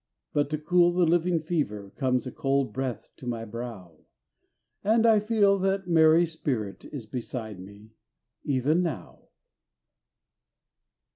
But to cool the living fever, Comes a cold breath to my brow, And I feel that Mary's spirit Is beside me, even now.